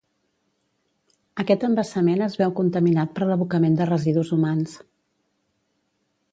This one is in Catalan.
Aquest embassament es veu contaminat per l'abocament de residus humans.